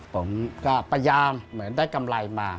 ผมก็พยายามเหมือนได้กำไรมา